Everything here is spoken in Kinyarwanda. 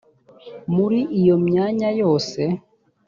muri iyo myanya yose